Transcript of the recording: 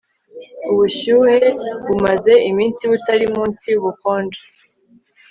ubushyuhe bumaze iminsi butari munsi yubukonje